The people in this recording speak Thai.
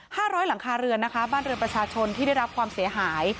ร้อยหลังคาเรือนนะคะบ้านเรือนประชาชนที่ได้รับความเสียหาย